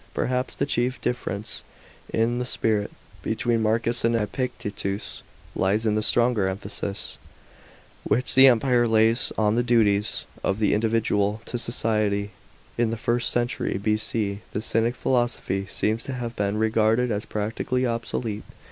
Perhaps the chief difference in sp'rit between Marcus and Epictetus lies in the stronger emphasis, which the Emperor lays on the duties of the individual to society. § 11. In the first century B.C., the CYNIC philosophy seems to have been regarded as practically obsolete.